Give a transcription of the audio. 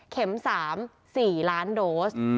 เข็ม๓๔ล้านโดส